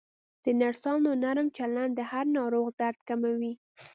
د نرسانو نرم چلند د هر ناروغ درد کموي.